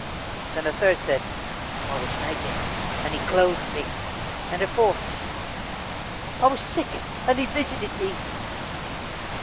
Then a third said: "I was naked, and he clothed me." And a fourth: "I was sick, and he visited me."